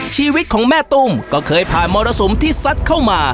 ชีวิตของแม่ตุ้มก็เคยผ่านมรสุมที่ซัดเข้ามา